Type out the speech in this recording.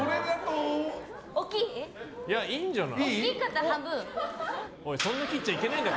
いや、いいんじゃない？